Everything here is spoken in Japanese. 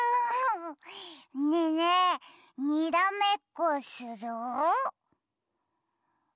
ねえねえにらめっこする？